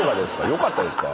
良かったですか？